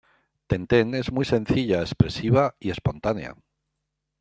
Tenten es muy sencilla, expresiva y espontánea.